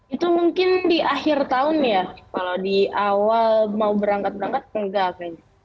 itu mungkin di akhir tahun ya kalau di awal mau berangkat berangkat enggak kayaknya